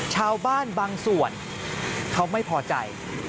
ชาวบ้านบางส่วนเขาไม่พอใจ